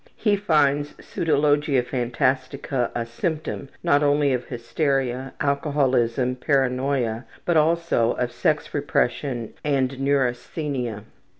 He finds pseudologia phantastica a symptom, not only of hysteria, alcoholism, paranoia, but also of sex repression, and neurasthenia.